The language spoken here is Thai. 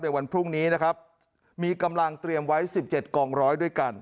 วันพรุ่งนี้นะครับมีกำลังเตรียมไว้๑๗กองร้อยด้วยกัน